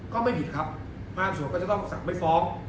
ก็ไม่ผิดครับห้ามส่วนก็จะต้องสั่งไว้ฟอร์ม